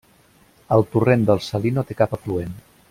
El Torrent del Salí no té cap afluent.